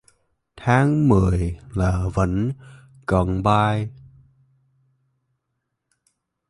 Tháng Mười lá vẫn còn bay